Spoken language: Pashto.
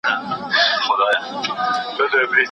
خدایه عمر مي تر جار کړې زه د ده په نوم ښاغلی